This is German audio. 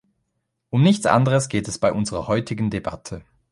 Um nichts anderes geht es bei unserer heutigen Debatte.